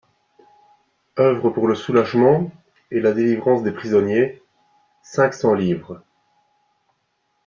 Œuvre pour le soulagement et la délivrance des prisonniers: cinq cents livres.